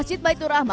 masjid baitur rahman